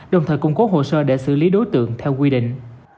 đồng thời cung cố hồ sơ để xử lý đối tượng theo quy định